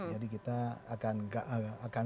jadi kita akan